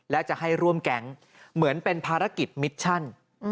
และจะให้ร่วมแก๊งเหมือนเป็นภารกิจมิชชั่น